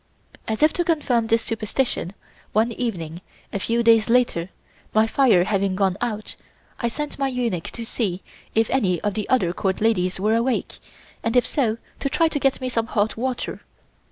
As if to confirm this superstition, one evening, a few days later, my fire having gone out, I sent my eunuch to see if any of the other Court ladies were awake, and if so, to try to get me some hot water.